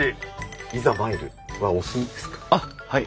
あっはい。